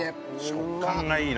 食感がいいな。